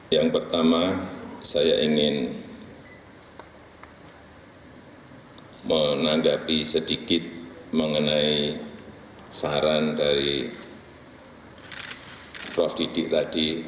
yang pertama saya ingin menanggapi sedikit mengenai saran dari prof didik tadi